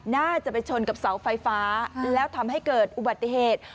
น่าจะไปชนกับเสาไฟฟ้าแล้วทำให้เกิดอุบัติเหตุ